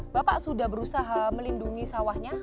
bapak sudah berusaha melindungi sawahnya